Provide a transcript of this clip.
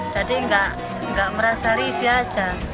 jadi enggak merasa risih saja